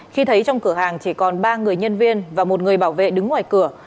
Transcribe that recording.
khi thấy trong cửa hàng chỉ còn ba người nhân viên và một người bảo vệ đứng ngoài cửa